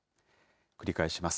繰り返します。